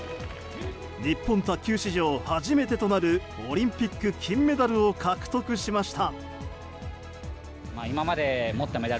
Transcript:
日本卓球史上初めてとなるオリンピック金メダルを獲得しました。